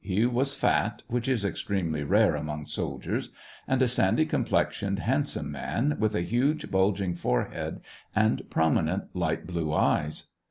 He was fat (which is extremely rare among soldiers), and a sandy complexioned, handsome man, with a huge, bulging forehead and prominent, light blue eyes.